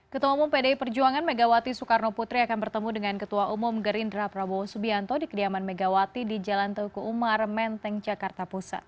ketua umum pdi perjuangan megawati soekarno putri akan bertemu dengan ketua umum gerindra prabowo subianto di kediaman megawati di jalan teguh umar menteng jakarta pusat